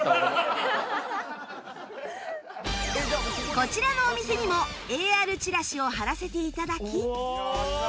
こちらのお店にも ＡＲ チラシを貼らせて頂き